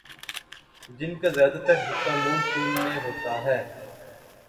جن کا زیادہ تر حصہ مون سون میں ہوتا ہے